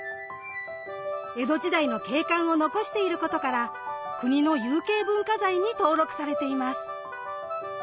江戸時代の景観を残していることから国の有形文化財に登録されています。